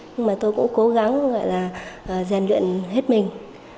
nhưng mà tôi cũng cố gắng gian luyện hết mình